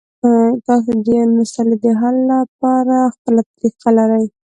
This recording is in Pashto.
تاسو د یوې مسلې د حل لپاره خپله طریقه لرئ.